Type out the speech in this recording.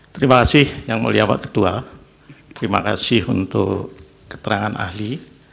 terima kasih yang mulia pak ketua terima kasih untuk keterangan ahli